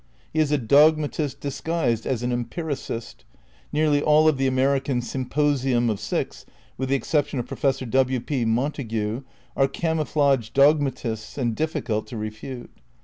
He is a dog matist disguised as an empiricist; nearly all of the American "Symposium of Six," with the exception of Professor W. P. Montague, are camouflaged dog matists and difficult to refute.